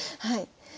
はい。